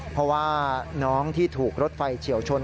เพราะว่าน้องที่ถูกรถไฟเฉียวชน